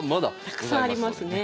たくさんありますね。